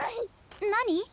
何？